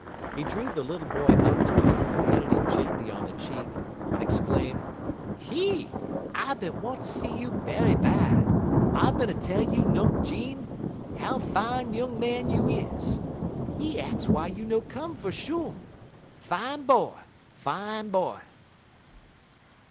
He drew the little boy up to him, patted him gently on the cheek, and exclaimed: "Ki! I bin want fer see you bery bahd. I bin a tell you' nunk Jeem' how fine noung màn you is. 'E ahx wey you no come fer shum. Fine b'y fine b'y!"